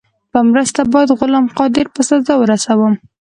په مرسته باید غلام قادر په سزا ورسوم.